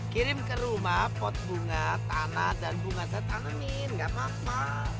kirim ke rumah pot bunga tanah dan bunga saya tanemin gak apa apa